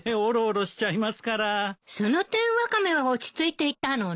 その点ワカメは落ち着いていたのね。